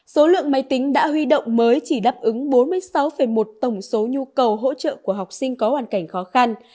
số lượng máy tính đã huy động mới chỉ đáp ứng bốn mươi sáu một tổng số nhu cầu hỗ trợ của học sinh có hoàn cảnh khó khăn